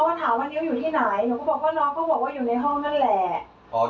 ก็ถามว่านิ้วอยู่ที่ไหนหนูก็บอกว่าน้องก็บอกว่าอยู่ในห้องนั่นแหละ